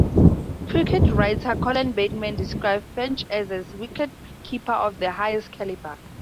Cricket writer, Colin Bateman, described French as "a wicketkeeper of the highest calibre".